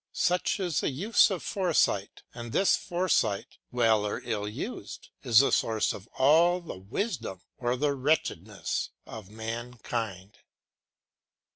Such is the use of foresight, and this foresight, well or ill used, is the source of all the wisdom or the wretchedness of mankind.